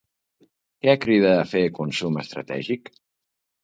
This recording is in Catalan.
Què crida a fer 'Consum Estratègic'?